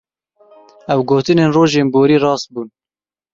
Ew gotinên rojên borî rast bûn!